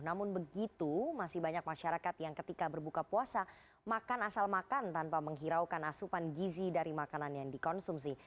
namun begitu masih banyak masyarakat yang ketika berbuka puasa makan asal makan tanpa menghiraukan asupan gizi dari makanan yang dikonsumsi